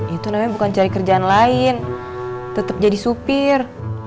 itu namanya bukan cari kerjaan lain tetap jadi supir